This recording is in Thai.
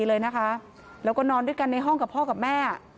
เราก็นอนด้วยกันในห้องพ่อกับแม่